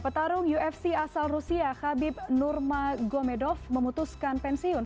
ya petarung ufc asal rusia khabib nurmagomedov memutuskan pensiun